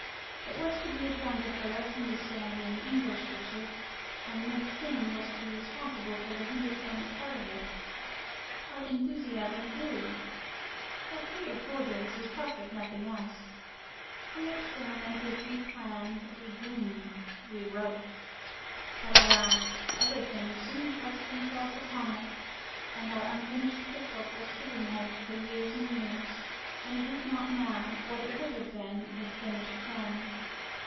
It was to be a joint affair of Hindustani and English dishes, and Miss Singh was to be responsible for the Hindustani part of it. Our enthusiasm grew. For three or four days we talked of nothing else. We experimented, we planned; we dreamed, we wrote. But alas! other things soon thrust themselves upon us, and our unfinished cook book was pigeon holed for years and years. And it is not now what it would have been if finished then.